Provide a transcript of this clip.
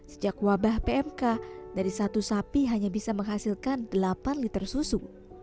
sejak wabah pmk dari satu sapi hanya bisa menghasilkan delapan liter susu